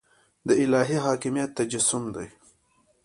د الهي حاکمیت تجسم دی.